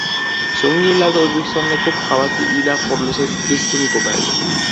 So‘nggi yillarda O‘zbekistonda ko‘p qavatli uylar qurilishi keskin ko‘paydi